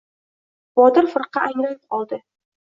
Botir firqa angrayib qoldi.